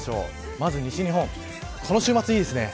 まず西日本この週末はいいですね。